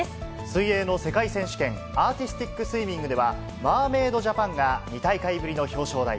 水泳の世界選手権、アーティスティックスイミングでは、マーメイドジャパンが２大会ぶりの表彰台。